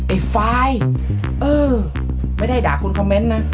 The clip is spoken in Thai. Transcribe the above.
ไอ้ไฟล์เออไม่ได้ด่าคนคอมเมนต์นะ